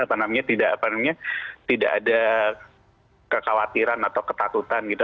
apa namanya tidak ada kekhawatiran atau ketakutan gitu